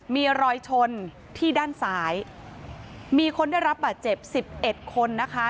มีรอยชนที่ด้านซ้ายมีคนได้รับบาดเจ็บสิบเอ็ดคนนะคะ